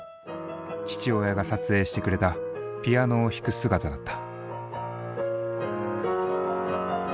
父親が撮影してくれたピアノを弾く姿だった。